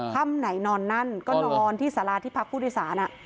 ค่ำไหนนอนนั่นก็นอนที่สาราที่พักผู้โดยสาร